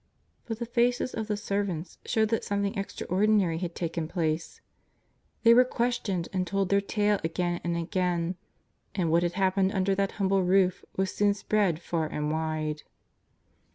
'' But the faces of the servants showed that something extraordinary had taken place. They were questioned and told their tale again and again, and what had hap pened under that humble roof was soon spread far and wide.